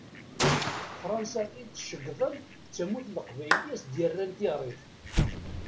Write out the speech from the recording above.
Fransa i tt-ceggḍen d tamurt n Leqbayel i as-d-yettaran tiɣrit.